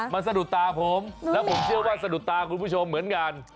มันสะดุดตาผมแล้วผมเชื่อว่าสะดุดตาคุณผู้ชมเหมือนกัน